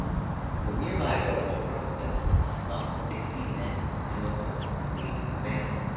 The nearby village of Rossadilisk lost sixteen men and was subsequently abandoned.